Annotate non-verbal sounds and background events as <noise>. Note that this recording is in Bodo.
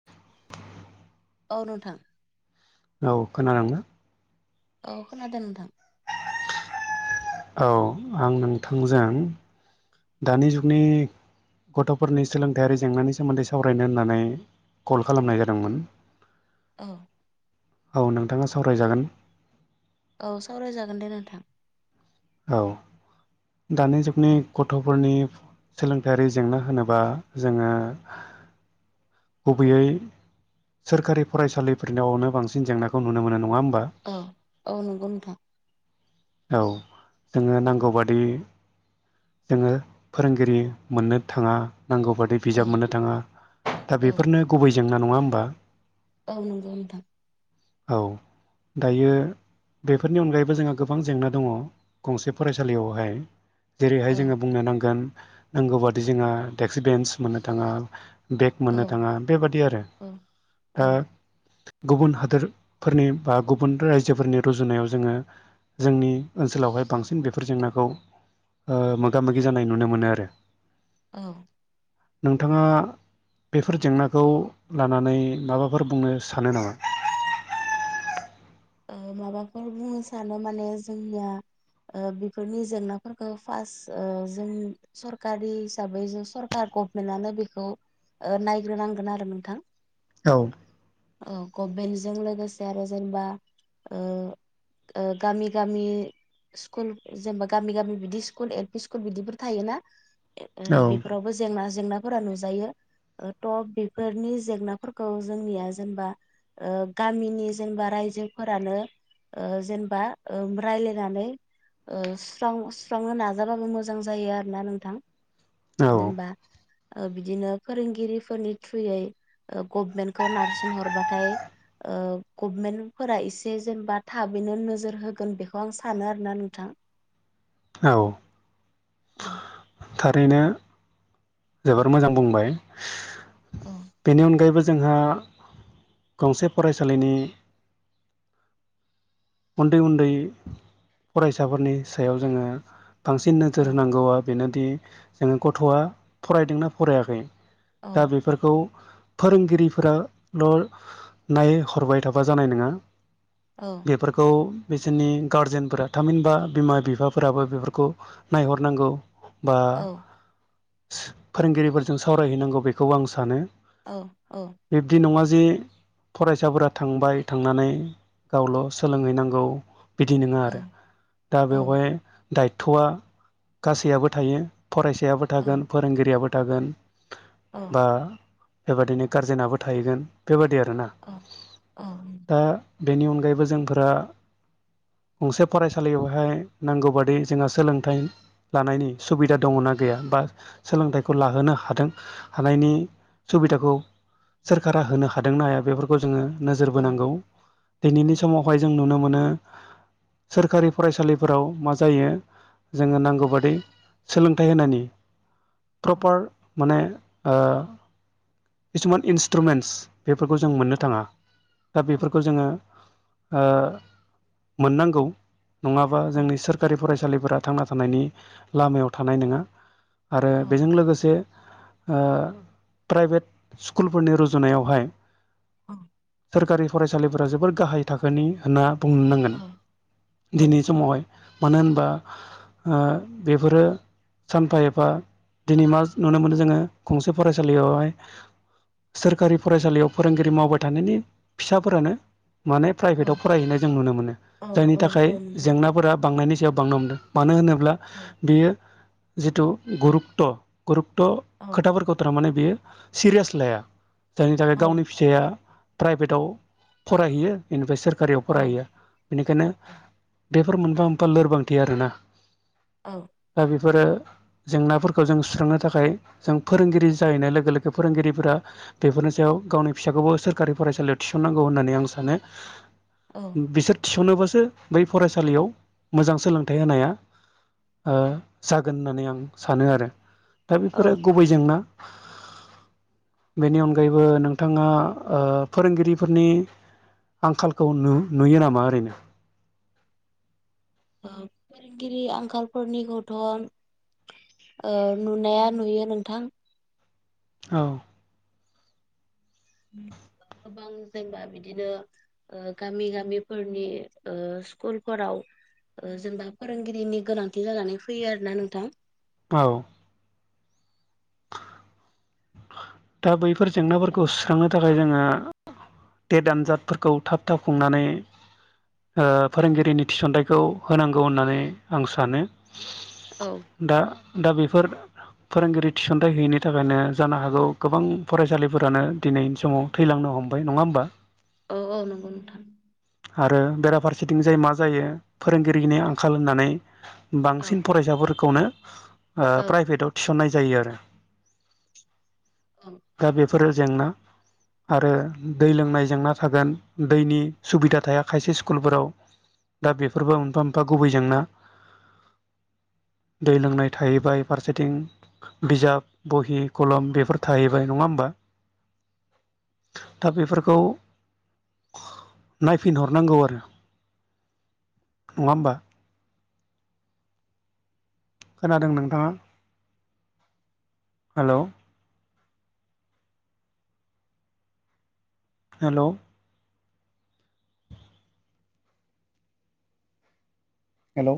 <inaudible> औ नोंथां। औ खोनादोंना औ खोनादों नोंथां औ आं नोंथांजों दानि जुगनि। गथ'फोरनि सोलोंथायाइारि जेंनानि सोमोन्दै सावरायनो होननानै। कल खालामनाय जादोंमोन। औ औ नोंथाङा सावरायजागोन औ सावरायजागोन दे नोंथां। औ दानि जुगनि औ गथ'फोरनि सोलोंथायारि जेंना होनोबा जोङो गुबैयै सोरखारि फरायसालिफोरनावनो बांसिन जेंनाखौ नुनो मोनो नङा होमबा। औ-औ नंगौ नोंथां। औ जोङो औ नांगौ बादि जोङो फोरोंगिरि मोननो थाङा नांगौ बादि बिजाब मोननो थाङा। दा औ बेफोरनो गुबै जेंना नङा होमबा औ नंगौ नोंथां औ दायो। बेफोरनि अनगायैबो जोंहा गोबां जेंना दङ गंसे फरायसालियावहाय। जेरैहाय औ जोङो बुंनो नांगोन नांगौ बादि जोंहा डेक्स बेन्स मोननो थाङा। बेग औ मोननो थाङा बेबादि आरो औ औ दा। गुबुन हादोरफोरनि बा गुबुन रायजोफोरनि रुजुनायाव जोङो। जोंनि ओनसोलावहाय बांसिन बेफोर जेंनाखौ ओ मोगा मोगि जानाय नुनो मोनो आरो औ नोंथाङा बेफोर जेंनाखौ लानानै माबाफोर बुंनो सानो नामा माबाफोर बुंनो सानो माने जोंनिया बेफोरनि जेंनाफोरखौ फार्स्ट जों सरकारि हिसाबै जों सरकारखौ मोनानो बेखौ नायग्रोनांगोन आरो नोंथां औ ओ गभमेन्टजों लोगोसे आरो जेनेबा ओ गामि गामि स्कुल जेनेबा गामि गामि बिदि स्कुल एल पि स्कुल बिदिफोर थायोना औ बेफोरावबो जेंना जेंनाफोरा नुजायो ओ ट बेफोरनि जेंनाफोरखौ जोंनिया जेनेबा गामिनि जेनेबा रायजो फोरानो जेनेबा रायज्लायनानै ओ सुस्रां सुस्रांनो नाजाबाबो मोजां जायो आरोना नोंथां हागोनबा ओ बिदिनो फोरोंगिरिफोरनि थ्रुयै गभमेन्टखौ नारसिन हरबाथाय ओ गभमेन्ट फोर एसे जेनेबा थाबैनो नोजोर होगोन बेखौ आं सानो आरोोना नोंथां औ औ थारैनो जोबोर मोजां बुंबाय <inaudible> बेनि अनगायैबो जोंहा गंसे फरायसालिनि उन्दै उन्दै फरायसाफोरनि सायाव जोङो बांसिन औ नोजोर होनांगौआ बेनोदि जोङो गथ'आ फरायदोंना फरायाखै औ दा बे फोरखौ फोरोंगिरिफोराल' नायहरबाय थाबा जानाय नङा औ बेफोरखौ बिसोरनि गारजेनफोरा थामहिनबा बिमा बिफाफोराबो बेफोरखौ नायहरनांगौ बा औ फोरोंगिरिफोरजों सावरायहैनांगौ बेखौ आं सानो औ औ बिब्दि नङा जे फरायसाफोरा थांबाय थांनानै गावल' सोलोंहैनांगौ बिदि नङा औ आरो दा औ बेवहाय दायथ'आ गासैयाबबो थायो फरायसायाबो थागोन फोरोंगिरियाबो औ थागोन औ बा बेबादिनो गारजेनाबो थाहैगोन बेबायादि आरो ना अ अ दा बेनि अनगायैबो जोंफोरा गंसे फरायसालियावहाय नांगौ बादि जोंहा सोलोंथाइ लानायनि सुबिदा दङना गैया बा सोलोंथाइखौ लाहोनो हादों हानायनि सुबिदाखौ सोरखारा होनो हादोंना हाया बेफोर जोङो नोजोर औ बोनांगौ दिनैनि समावहाय जों नुनो मोनो सोरखारि फरायसालिफोराव मा जायो जोङो नांगौ बादि सोलोंथाइ होनायनि औ प्रपार माने किसुमान इन्सट्रुमेन्टस बेफोरखौ जों मोननो थाङा दा बेफोरखौ जोङो मोननांगौ नङाबा जोंनि सोरखारि फरायसालिफोरा थांना थानायनि लामायाव थानाय नङा आरो औ बेजों लोगोसे प्राइभेट स्कुलफोरनि रुजुनायावहाय औ सोरखारि फरायसालिफोरा जोबोर गाहाय थाखोनि होनना बुंनो नांगोन दिनै समावहाय मोनो होनबा बेफोरो सानफा एफा दिनै मा नुनो मोनो जोङो गंसे फरायसालियावहाय सोरखारि फरायसालियाव फोरोंगिरि मावबाय थानायनि फिसाफोरानो माने औ प्राइभेटाव फरायहैनाय जों नुनो मोनो नंगौ जायनि औ थाखाय जेंनाफोरा बांनायनि सायाव बांनो मोनदों मानो होनोब्ला बेयो जिथु गुरुकथ गुरुकथ खोथाफोरखौ थारमाने बियो सिरियास लाया जायनि थाखाय गावनि फि फिसाया प्राइभेटआव फरायहैयो बेनिफ्राय सोरखारियाव फरायहैयो बेनिखायनो बेफोर मोनफा मोनफा लोरबांथि आरोना औ दा बेफोरो जेंनाफोरखौ जों सुस्रांनो थाखाय जों फोरोंगिरि जाहैनाय लोगो लोगो फोरोंगिरिफोरा बेफोरनि सायाव गावनि फिसाखौबो सोरखारि फरायसालियाव थिसनांगौ होननानै आं सानो बिसोर थिसनोबासो बै फरायसालियाव मोजां सोलोंथाइ होनाया जागोन होननानै आं सानो आरो दा औ बेफोरो गुबै जेंना बेनि अनगायैबो नोंथाङा फोरोंगिरिफोरनि आंखालखौ नुयो नामा ओरैनो फोरोंगिरि आंखालफोरनिखौथ नुनाया नुयो नोंथां औ गोबां जेनेबा बिदिनो गामि गामिफोरनि स्कुलफोराव जेनेबा फोरोंगिरिनि गोनांथि जानानै फैयो आरो ना नोंथां औ दा बैफोर जेंनाफोरखौ थांनो थाखाय जोङो देट आनजादफोरखौ थाब थाब खुंनानै फोरोंगिरिनि थिसनथाइखौ होनांगौ होननानै आं सानो औ दा दा बेफोर फोरोंगिरि थिसनथायाइ होयैनि थाखायनो जानो हागौ गोबां फरायसालिफोरानो दिनैनि समाव थैलांनो हमबाय नङा होमबा औ औ नंगौ नोंथां आरो बेराफारसेथिं जाय मा जायो फोरोंगिरिनि आंखाल होननानै बांसिन औ फरायसाफोरखौनो औ प्राइभेटाव थिसननाय जायो आरो औ दा बेफोरो जेंना आरो दै लोंनाय जेंना थागोन दैनि सुबिदा थाया खायसे स्कुलफोराव दा बेफोरबो मोनफा मोनफा गुबैजोंोंना दै लोंनाय थाहैबाय फारसेथिं बिजाब बहि खलम बेफोर थाहैबाय नङा होमबा दा बेफोरखौ नायफिनहरनांगौ आरो नङा होमबा खोनादों नोंथाङा हेल' हेल' हेल'